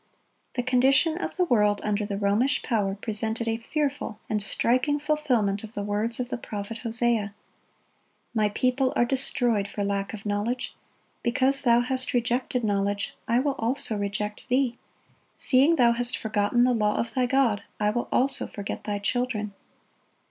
The condition of the world under the Romish power presented a fearful and striking fulfilment of the words of the prophet Hosea: "My people are destroyed for lack of knowledge: because thou hast rejected knowledge, I will also reject thee:... seeing thou hast forgotten the law of thy God, I will also forget thy children."